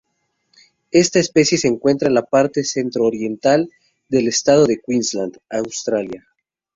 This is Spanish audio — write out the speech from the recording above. Esta especie se encuentra en la parte centro-oriental del estado de Queensland, Australia.